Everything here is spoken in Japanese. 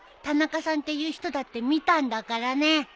田中さんっていう人だって見たんだからね。